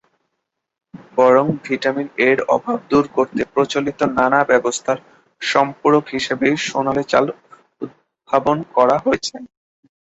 বরং, ভিটামিন এ-র অভাব দূর করতে প্রচলিত নানা ব্যবস্থার সম্পূরক হিসেবেই সোনালী চাল উদ্ভাবন করা হয়েছে।